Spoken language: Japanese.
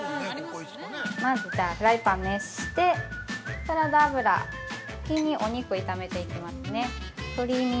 ◆まず、フライパンを熱して、サラダ油、お肉を炒めて行きますね、先に。